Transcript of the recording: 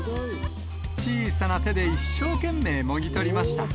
小さな手で一生懸命もぎ取りました。